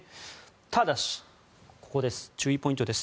ただし、注意ポイントです。